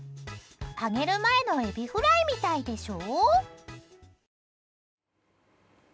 揚げる前のエビフライみたいでしょ？